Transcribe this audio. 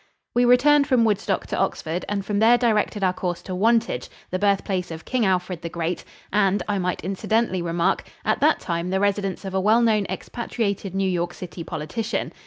We returned from Woodstock to Oxford and from there directed our course to Wantage, the birthplace of King Alfred the Great and, I might incidentally remark, at that time the residence of a well known expatriated New York City politician.